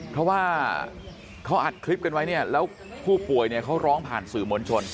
เพราะว่าเขาอัดคลิปกันไว้แล้วผู้ป่วยเขาร้องผ่านสื่อหมวนชน